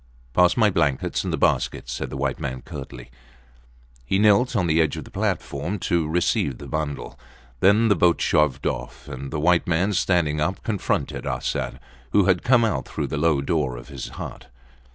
Pass my blankets and the basket, said the white man, curtly. He knelt on the edge of the platform to receive the bundle. Then the boat shoved off, and the white man, standing up, confronted Arsat, who had come out through the low door of his hut.